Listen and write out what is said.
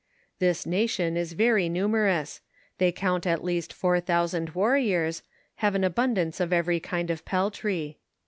This nation is very numer ous; they count at least four thousand \, arriors, have an abundance of every kind of peltry.